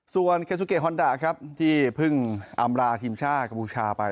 ส่วนเคซูเกฮอนดาครับที่เพิ่งอำลาทีมชาติกัมพูชาไป